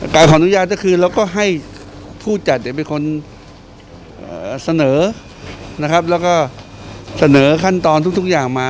ขออนุญาตก็คือเราก็ให้ผู้จัดเป็นคนเสนอนะครับแล้วก็เสนอขั้นตอนทุกอย่างมา